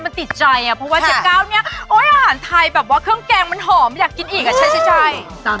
มันติดใจอ่ะเพราะว่า๗๙เนี่ยโอ๊ยอาหารไทยแบบว่าเครื่องแกงมันหอมอยากกินอีกอ่ะใช่